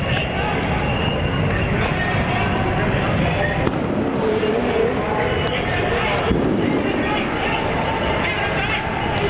สวัสดีครับ